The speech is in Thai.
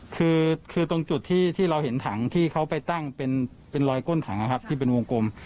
คือตรงจุดที่เราเห็นถังที่เขาไปตั้งเป็นรอยก้นถังนะครับที่เป็นวงกลม